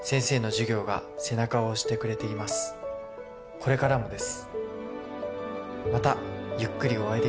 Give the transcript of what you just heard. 「これからもです」。